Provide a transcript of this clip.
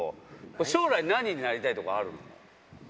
将来何になりたいとかあるの？